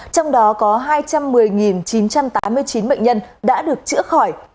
trong đó có hai trăm một mươi chín trăm tám mươi chín bệnh nhân đã được chữa khỏi